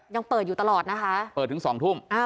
ยังเปิดอยู่ตลอดนะคะเปิดถึงสองทุ่มอ่า